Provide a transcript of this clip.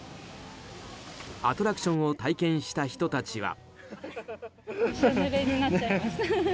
アトラクションを体験した人たちは。